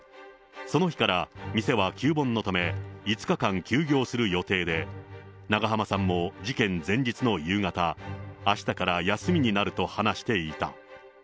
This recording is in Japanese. その日から店は旧盆のため、５日間休業する予定で、長濱さんも事件前日の夕方、あしたから休みになると話していた。